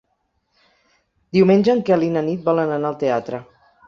Diumenge en Quel i na Nit volen anar al teatre.